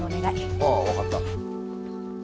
ああわかった。